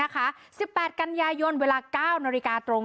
๑๘กันยายนเวลา๙นตรง